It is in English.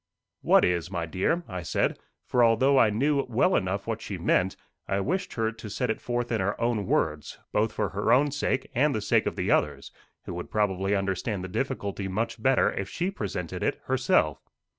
"What is, my dear?" I said; for although I thought I knew well enough what she meant, I wished her to set it forth in her own words, both for her own sake, and the sake of the others, who would probably understand the difficulty much better if she presented it herself.